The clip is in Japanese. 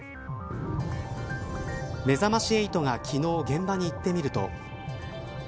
めざまし８が昨日現場に行ってみると。